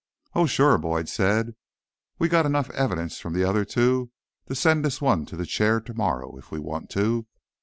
"Oh, sure," Boyd said. "We've got enough evidence from the other two to send this one to the chair tomorrow, if we want to."